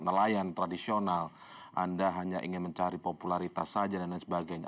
nelayan tradisional anda hanya ingin mencari popularitas saja dan lain sebagainya